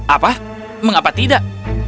apa mengapa tidak